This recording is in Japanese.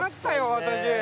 私。